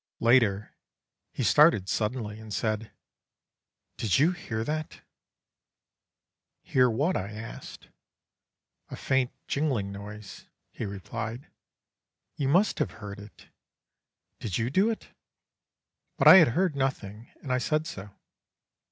Later, he started suddenly, and said "'Did you hear that?' "'Hear what?' I asked. "'A faint jingling noise,' he replied. 'You must have heard it; did you do it?' "But I had heard nothing, and I said so.